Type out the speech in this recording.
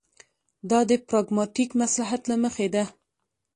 دا د پراګماټیک مصلحت له مخې ده.